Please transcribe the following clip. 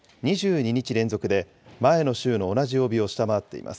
２２日連続で前の週の同じ曜日を下回っています。